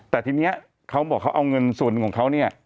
แต่ทีนี้เขาบอกเขาเอาเงินส่วนของเขาเนี่ย